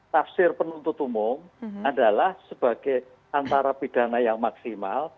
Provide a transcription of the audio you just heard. tafsir penuntut umum adalah sebagai antara pidana yang maksimal